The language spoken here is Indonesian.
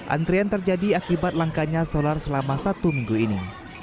antrian terjadi akibat langkanya solar selama satu minggu ini